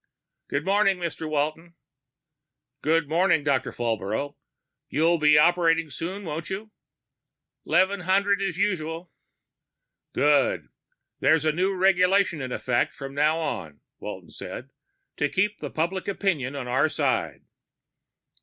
"Morning, Mr. Walton." "Good morning, Doctor Falbrough. You'll be operating soon, won't you?" "Eleven hundred, as usual." "Good. There's a new regulation in effect from now on," Walton said. "To keep public opinion on our side."